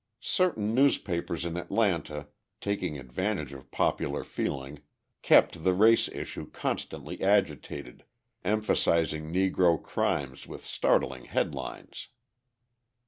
Certain newspapers in Atlanta, taking advantage of popular feeling, kept the race issue constantly agitated, emphasising Negro crimes with startling headlines.